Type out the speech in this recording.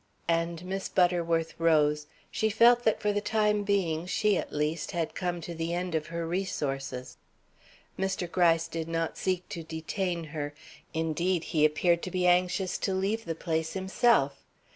And Miss Butterworth rose. She felt that for the time being she, at least, had come to the end of her resources. Mr. Gryce did not seek to detain her. Indeed, he appeared to be anxious to leave the place himself.